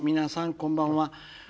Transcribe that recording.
こんばんは。